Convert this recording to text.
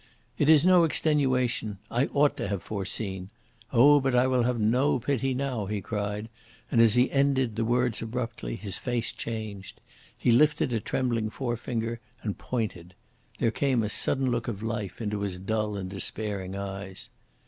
"It is no extenuation. I OUGHT to have foreseen. Oh, but I will have no pity now," he cried, and as he ended the words abruptly his face changed. He lifted a trembling forefinger and pointed. There came a sudden look of life into his dull and despairing eyes.